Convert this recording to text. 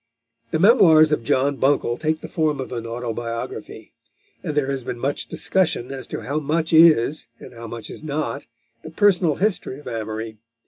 The memoirs of John Buncle take the form of an autobiography, and there has been much discussion as to how much is, and how much is not, the personal history of Amory.